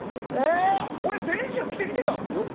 俺、先週着てきてたんですよ。